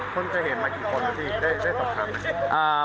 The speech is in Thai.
คนเกิดเหตุมากี่คนที่ได้สำคัญ